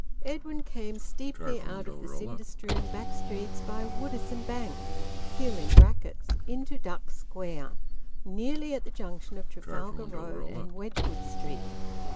Edwin came steeply out of the cinder strewn back streets by Woodisun Bank [hill] into Duck Square, nearly at the junction of Trafalgar Road and Wedgwood Street.